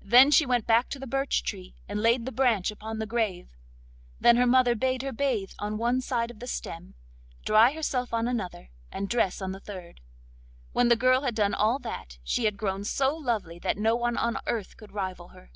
Then she went back to the birch tree and laid the branch upon the grave. Then her mother bade her bathe on one side of the stem, dry herself on another, and dress on the third. When the girl had done all that, she had grown so lovely that no one on earth could rival her.